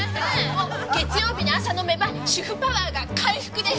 月曜日の朝飲めば主婦パワーが回復です。